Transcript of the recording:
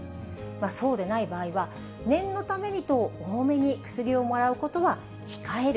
そうでない場合は、念のためにと、多めに薬をもらうというのは控える。